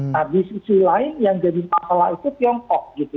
nah di sisi lain yang jadi masalah itu tiongkok gitu